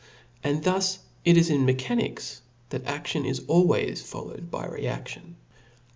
And thus it is in mechanics, that aftion is always followed by rcaftion.